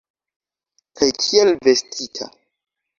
Kaj kiel vestita!